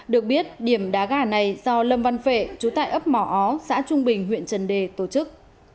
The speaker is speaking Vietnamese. được biết điểm đá gà này do lâm văn vệ trú tại ấp mỏ ó xã trung bình huyện trần đề tổ chức